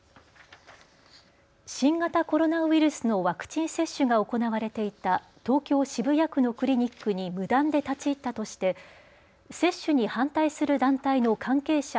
新型コロナウイルスのワクチン接種が行われていた東京渋谷区のクリニックに無断で立ち入ったとして接種に反対する団体の関係者